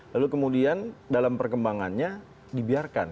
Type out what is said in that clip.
lalu kemudian dalam perkembangannya dibiarkan